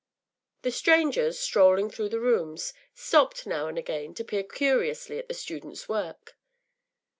The strangers, strolling through the rooms, stopped now and again to peer curiously at the students’ work.